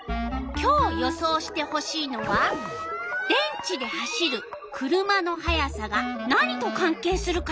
今日予想してほしいのは電池で走る車の速さが何と関係するかよ。